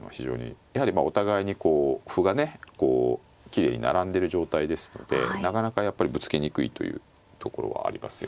やはりまあお互いにこう歩がねこうきれいに並んでる状態ですのでなかなかやっぱりぶつけにくいというところはありますよね。